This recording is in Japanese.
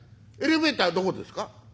エレベーターどこですか？」。